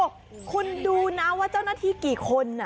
คุณดูนะว่าเจ้าหน้าที่กี่คน